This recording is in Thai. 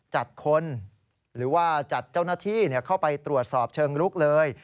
จัดคนหรือว่าจัดเจ้าหน้าที่เข้าไปตรวจสอบเชิงลุกเลย